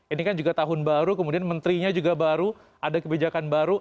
ini kan juga tahun baru kemudian menterinya juga baru ada kebijakan baru